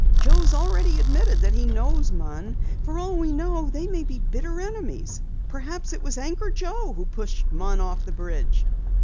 Joe's already admitted that he knows Munn. For all we know they may be bitter enemies. Perhaps it was Anchor Joe who pushed Munn off the bridge!"